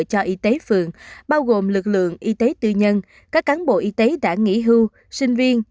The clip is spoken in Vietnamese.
cho y tế phường bao gồm lực lượng y tế tư nhân các cán bộ y tế đã nghỉ hưu sinh viên